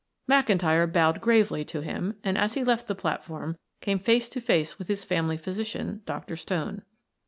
McIntyre bowed gravely to him and as he left the platform came face to face with his family physician, Dr. Stone.